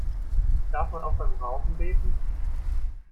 Darf man auch beim Rauchen beten?